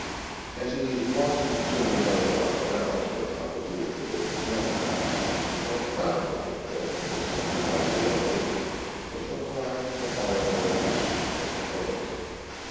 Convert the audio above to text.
As he watched the children running about the grounds where Tot was usually forbidden to play, Thompson felt proud that his boy had been selected by "the young lady" for so high and honorable a position as her playmate.